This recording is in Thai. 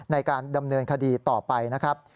ในการดำเนินคดีต่อไปนะครับ